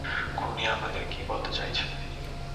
খুনি আমাদের কী বলতে চাইছে?